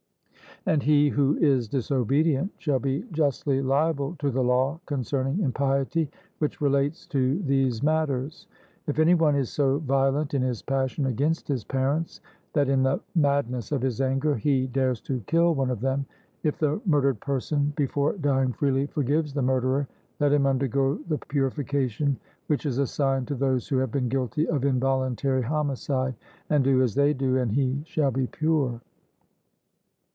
And he who is disobedient shall be justly liable to the law concerning impiety, which relates to these matters. If any one is so violent in his passion against his parents, that in the madness of his anger he dares to kill one of them, if the murdered person before dying freely forgives the murderer, let him undergo the purification which is assigned to those who have been guilty of involuntary homicide, and do as they do, and he shall be pure.